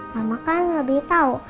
mama kan lebih tau